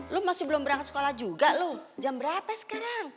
lu masih belum berangkat sekolah juga lo jam berapa sekarang